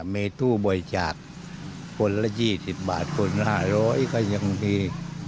ไม่ถูกบ่อยจักรคนละ๒๐บาทคนละ๕๐๐ก็ยังดี